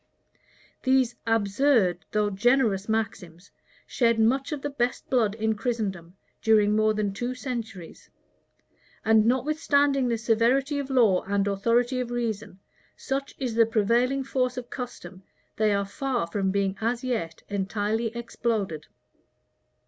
These absurd, though generous maxims, shed much of thee best blood in Christendom, during more than two centuries; and notwithstanding the severity of law and authority of reason, such is the prevailing force of custom, they are far from being as yet entirely exploded.